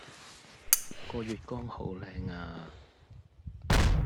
個月光好靚呀